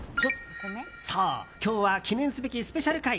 そう、今日は記念すべきスペシャル回